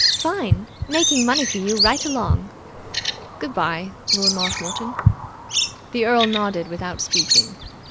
"Fine. Making money for you right along." "Good bye, Lord Marshmoreton." The earl nodded without speaking.